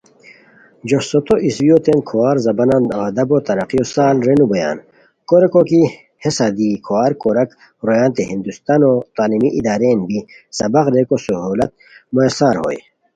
جوش سوتو عیسویوتین کھوار زبان و ادبو ترقیو سال رینو بویان کوریکو کی ہے صدیی کھوار کوراک رویانتے ہندوستانو تعلیمی ادارین بی سبق ریکو سہولت میسر ہوئے